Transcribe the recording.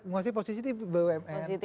ada yang menguasai posisi di bumn